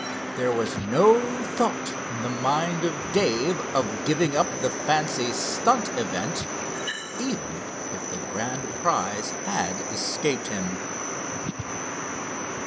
There was no thought in the mind of Dave of giving up the fancy stunt event, even if the grand prize had escaped him.